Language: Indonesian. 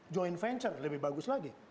joint venture lebih bagus lagi